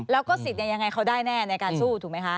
แล้วก็สิทธิ์ยังไงเขาได้แน่ในการสู้ถูกไหมคะ